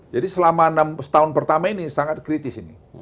jadi selama setahun pertama ini sangat kritis ini